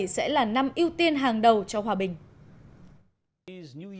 hai nghìn một mươi bảy sẽ là năm ưu tiên hàng đầu cho hòa bình